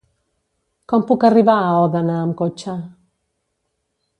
Com puc arribar a Òdena amb cotxe?